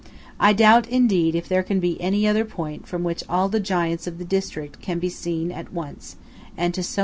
I doubt, indeed, if there be any other point from which all the giants of the district can be seen at once, and to so much advantage.